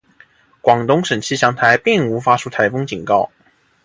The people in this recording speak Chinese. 广东省气象台并无发出台风警告。